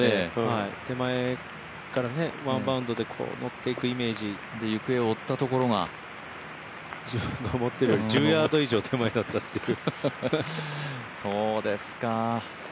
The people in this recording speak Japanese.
手前からね、ワンバウンドで飛んでくる感じで行方を追ったところが自分が思っているより１０ヤード以上手前だったっていう。